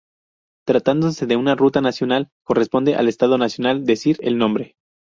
Tratándose de una ruta nacional, corresponde al Estado Nacional decidir el nombre.